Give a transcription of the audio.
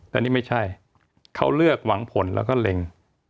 และนี่ไม่ใช่เขาเลือกหวังผลแล้วก็เล็ง